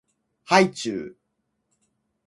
はいちゅう